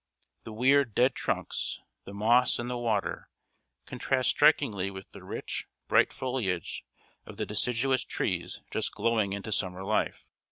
The weird dead trunks, the moss and the water, contrast strikingly with the rich, bright foliage of the deciduous trees just glowing into summer life.